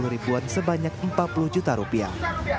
lima puluh ribuan sebanyak empat puluh juta rupiah